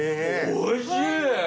おいしい！